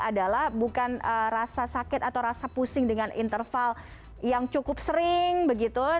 adalah bukan rasa sakit atau rasa pusing dengan interval yang cukup sering begitu